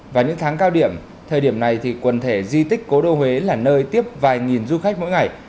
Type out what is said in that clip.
và những tháng cao điểm thời điểm này thì quần thể di tích cố đô huế là nơi tiếp vài nghìn du khách mỗi ngày